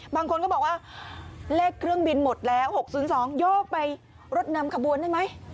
บางคนก็บอกว่าเลขเครื่องบินหมดแล้ว๖๐๒โยกไปรถนำขบวนได้ไหม